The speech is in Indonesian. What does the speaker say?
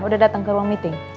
udah datang ke ruang meeting